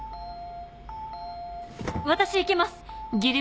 私いけます。